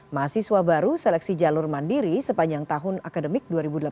mahasiswa baru seleksi jalur mandiri sepanjang tahun akademik dua ribu delapan belas dua ribu dua puluh dua